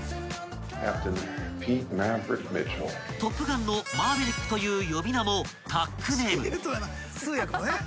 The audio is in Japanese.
［『トップガン』のマーヴェリックという呼び名もタックネーム］